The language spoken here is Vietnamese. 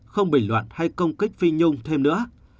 không bình luận hay công kích phi nhung thêm nữa